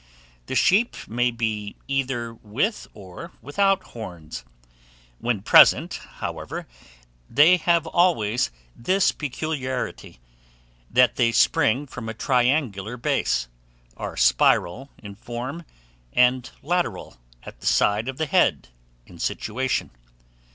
The sheep may be either with or without horns; when present, however, they have always this peculiarity, that they spring from a triangular base, are spiral in form, and lateral, at the side of the head, in situation.